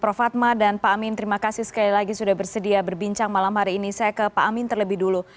prof fatma dan pak amin terima kasih sekali lagi sudah bersedia berbincang malam hari ini saya ke pak amin terlebih dulu